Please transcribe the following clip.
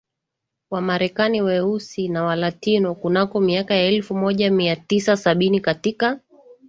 Wamarekani weusi na Walatino kunako miaka ya elfu moja mia tisa sabini katika